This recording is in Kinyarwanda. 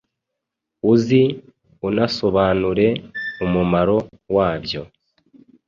uzi unasobanure umumaro wabyo